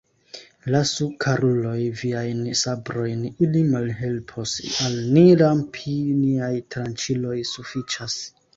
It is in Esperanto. Lasu, karuloj, viajn sabrojn, ili malhelpos al ni rampi, niaj tranĉiloj sufiĉas.